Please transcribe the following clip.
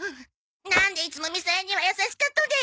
なんでいつもみさえには優しかとね！